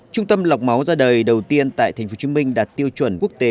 trung tâm lọc máu ra đời đầu tiên tại tp hcm đạt tiêu chuẩn quốc tế